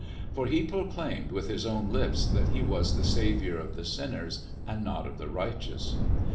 For He proclaimed with His own lips that He was the Saviour of the sinners and not of the righteous.